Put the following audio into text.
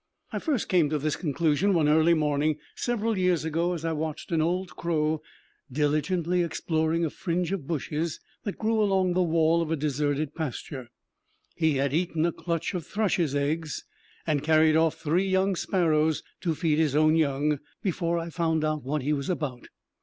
I first came to this conclusion one early morning, several years ago, as I watched an old crow diligently exploring a fringe of bushes that grew along the wall of a deserted pasture. He had eaten a clutch of thrush's eggs, and carried off three young sparrows to feed his own young, before I found out what he was about.